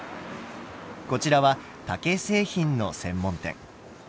こちらは竹製品の専門店。